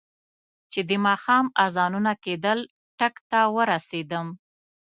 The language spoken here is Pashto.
چې د ماښام اذانونه کېدل ټک ته ورسېدم.